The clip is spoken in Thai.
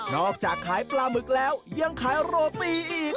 จากขายปลาหมึกแล้วยังขายโรตีอีก